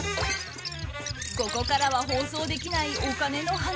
ここからは放送できないお金の話。